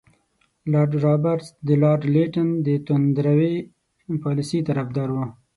لارډ رابرټس د لارډ لیټن د توندروي پالیسۍ طرفدار وو.